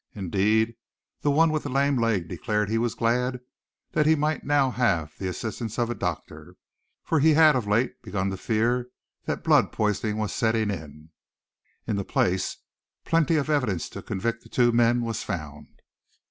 Indeed, the one with the lame leg declared he was glad that he might now have the assistance of a doctor, for he had of late begun to fear that blood poisoning was setting in. In the place plenty of evidence to convict the two men was found.